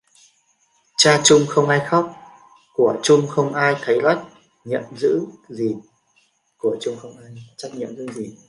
Cha chung không ai khóc: của chung không ai thấy trách nhiệm giữ gìn